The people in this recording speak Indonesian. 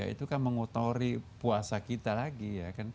itu kan mengotori puasa kita lagi